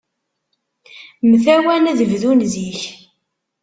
Mtawan ad bdun zik.